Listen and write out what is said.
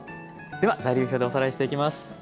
では材料表でおさらいしていきます。